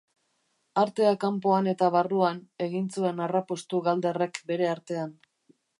Artea kanpoan eta barruan, egin zuen arrapostu Galderrek bere artean.